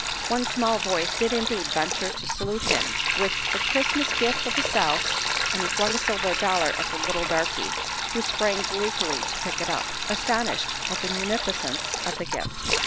One small voice did indeed venture to salute him with the " Chris 'mas gif ' of the South, and he flung a silver dollar at the little darky, who sprang gleefully to pick it up, astonished at the munificence of the gift.